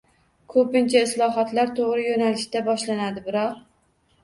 Ko‘pincha islohotlar to‘g‘ri yo‘nalishda boshlanadi, biroq...